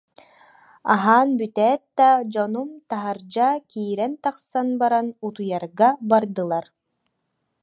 Аһаан бүтээт да, дьонум таһырдьа киирэн-тахсан баран, утуйарга бардылар